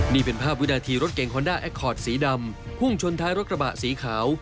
นี่เป็นภาพวินาทีรถเก่งคอนด้าแอคคอร์ดสีดำพุ่งชนท้ายรถกระบะสีขาว